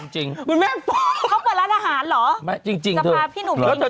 จริงถ้าพี่หนุ่มกินข้าว